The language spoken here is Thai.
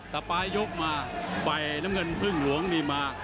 สักปลายยกมาใบน้ำเงินพึ่งหลวงนี่มา